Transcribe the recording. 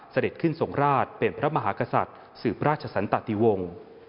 เสด็จขึ้นทรงราชเป็นพระมหากษัตริย์สืบราชสันตติวงศ์